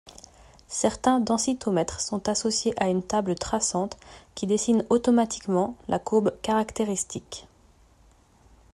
Certains densitomètres sont associés à une table traçante qui dessine automatiquement la courbe caractéristique.